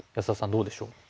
どうでしょう？